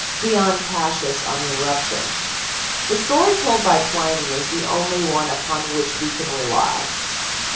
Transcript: DION CASSIUS ON THE ERUPTION The story told by Pliny is the only one upon which we can rely.